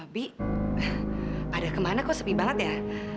bi ada kemana kok sepi banget ya